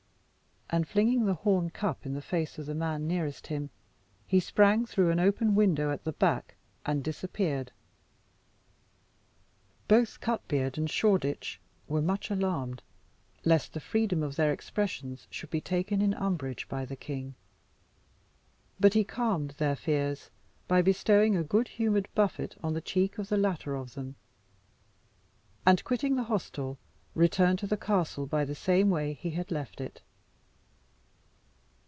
And flinging the horn cup in the face of the man nearest him, he sprang through an open window at the back, and disappeared. Both Cutbeard and Shoreditch were much alarmed lest the freedom of their expressions should be taken in umbrage by the king; but he calmed their fears by bestowing a good humoured buffet on the cheek of the latter of them, and quitting the hostel, returned to the castle by the same way he had left it.